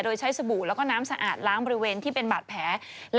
โดยใช้สบู่แล้วก็น้ำสะอาดล้างบริเวณที่เป็นบาดแผล